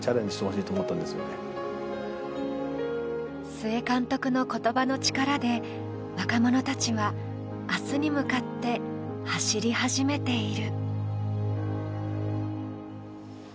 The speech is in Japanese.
須江監督の言葉の力で若者たちは、明日に向かって走り始めている。